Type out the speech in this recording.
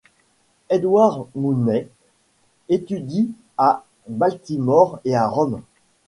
Edward Mooney étudie à Baltimore et à Rome.